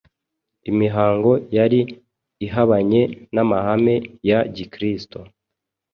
imihango yari ihabanye n’amahame ya Gikristo.